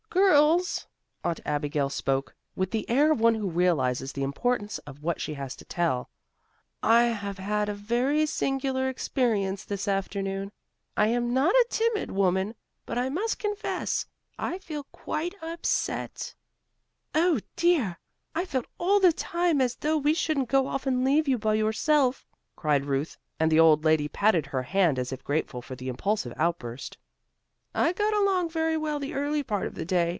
"Girls!" Aunt Abigail spoke with the air of one who realizes the importance of what she has to tell. "I have had a very singular experience this afternoon. I am not a timid woman, but I must confess I feel quite upset." "Oh, dear! I felt all the time as though we shouldn't go off and leave you by yourself," cried Ruth, and the old lady patted her hand as if grateful for the impulsive outburst. "I got along very well the early part of the day.